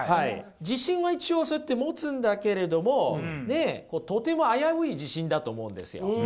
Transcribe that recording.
自信は一応そうやって持つんだけれどもとても危うい自信だと思うんですよ。